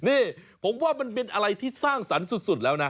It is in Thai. นี่ผมว่ามันเป็นอะไรที่สร้างสรรค์สุดแล้วนะ